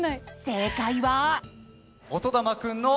正解は。